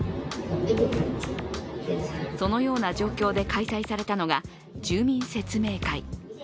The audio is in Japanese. そのような状況で開催されたのが住民説明会。